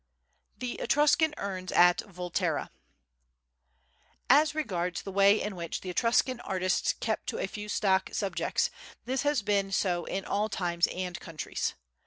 The Etruscan Urns at Volterra As regards the way in which the Etruscan artists kept to a few stock subjects, this has been so in all times and countries.